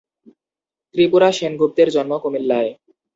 ত্রিপুরা সেনগুপ্তের জন্ম কুমিল্লায়।